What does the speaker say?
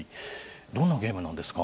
どんなゲームなんですか。